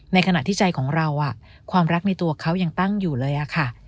ในขณะที่ใจของเราความรักในตัวเขายังตั้งอยู่เลยค่ะ